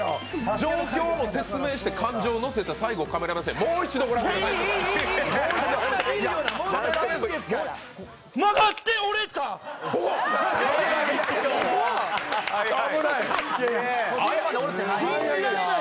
状況も説明して、感情乗せて最後、カメラ目線、もう一度御覧ください。